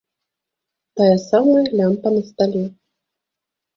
Тая самая лямпа на стале.